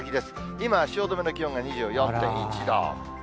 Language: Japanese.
今、汐留の気温が２４．１度。